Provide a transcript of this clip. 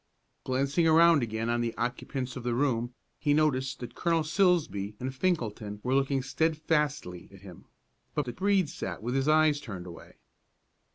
Glancing around again on the occupants of the room, he noticed that Colonel Silsbee and Finkelton were looking steadfastly at him, but that Brede sat with his eyes turned away.